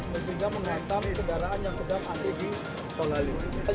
sehingga menghantam kedaraan yang sedang hadir di gerbang tol halim utama